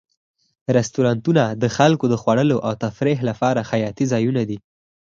رستورانتونه د خلکو د خوړلو او تفریح لپاره حیاتي ځایونه دي.